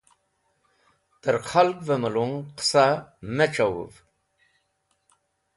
Tẽr khalgvẽ melong qẽsa me c̃hawũv.